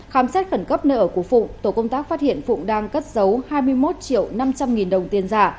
khám xét khẩn cấp nơi ở của phụng tổ công tác phát hiện phụng đang cất giấu hai mươi một triệu năm trăm linh nghìn đồng tiền giả